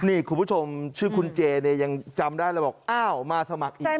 นี่คุณผู้ชมชื่อคุณเจเนี่ยยังจำได้เลยบอกอ้าวมาสมัครอีก